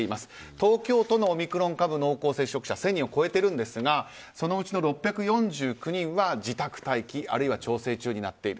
東京都のオミクロン株の濃厚接触者は１０００人を超えているんですがそのうちの６４９人は自宅待機あるいは調整中になっている。